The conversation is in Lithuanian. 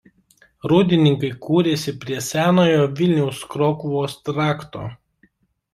Rūdninkai kūrėsi prie senojo Vilniaus–Krokuvos trakto.